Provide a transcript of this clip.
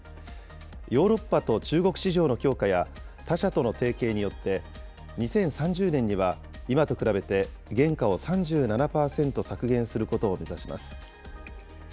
ヨーロッパと中国市場の強化や、他社との提携によって、２０３０年には今と比べて原価を３７％削減することを目指します。